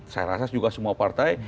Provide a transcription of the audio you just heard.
saya rasa juga semua partai